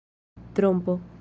trompo